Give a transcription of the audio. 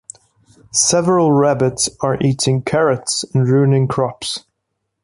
Several rabbits are eating carrots and ruining crops.